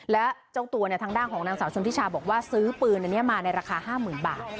แล้วเจ้าตัวทางด้านของนางสาวชนทิชาบอกว่าซื้อปืนอันนี้มาในราคา๕๐๐๐บาท